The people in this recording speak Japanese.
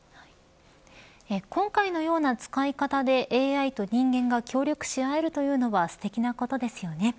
今回のような使い方でＡＩと人間が協力し合えるというのはすてきなことですよね。